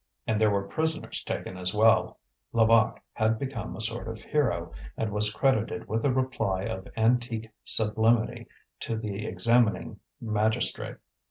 And there were prisoners taken as well; Levaque had become a sort of hero, and was credited with a reply of antique sublimity to the examining magistrate.